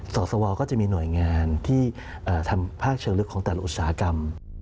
สวก็จะมีหน่วยงานที่ทำภาคเชิงลึกของแต่ละอุตสาหกรรม